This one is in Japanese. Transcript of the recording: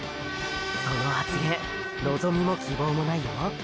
その発言のぞみも希望もないよ？